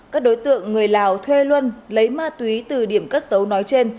các đối tượng người lào thuê luân lấy ma túy từ điểm cất dấu nói trên